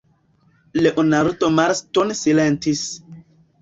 Leonardo Marston silentis.